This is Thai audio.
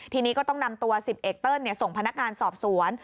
ทีนี้ก็ต้องนำตัว๑๐เอกเติ้ลส่งพนักงานสอบสวน